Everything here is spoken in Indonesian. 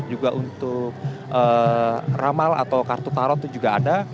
juga untuk ramal atau kartu tara itu juga ada